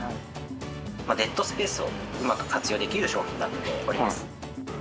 デッドスペースをうまく活用できる商品になっております。